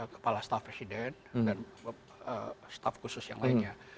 kepala staf presiden dan staf khusus yang lainnya